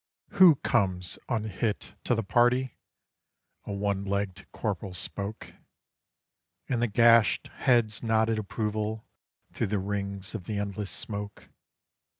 "Who comes, unhit, to the party?" A one legged Corporal spoke, And the gashed heads nodded approval through the rings of the Endless Smoke.